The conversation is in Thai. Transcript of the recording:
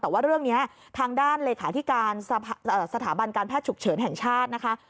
แต่ว่าเรื่องนี้ทางด้านเลขาธิการสถาบันการแพทย์ฉุกเฉินแห่งชาตินะคะ